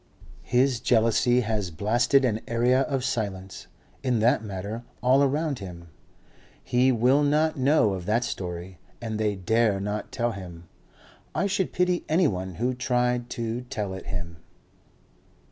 His jealousy has blasted an area of silence in that matter all round him. He will not know of that story. And they dare not tell him. I should pity anyone who tried to tell it him."